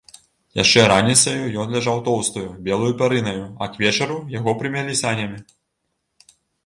Яшчэ раніцою ён ляжаў тоўстаю, белаю пярынаю, а к вечару яго прымялі санямі.